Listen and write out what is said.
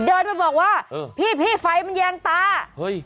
เดินไปบอกว่าพี่ไฟมันแยงตาเฮ้ย